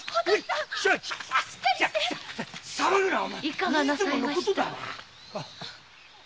いかがなさいました？